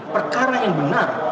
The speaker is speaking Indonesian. perkara yang benar